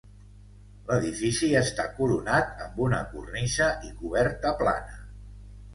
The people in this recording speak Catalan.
L'edifici està coronat amb una cornisa i coberta plana.